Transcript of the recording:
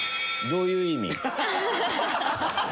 どういう意味？